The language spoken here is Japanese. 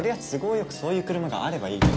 よくそういう車があればいいけど。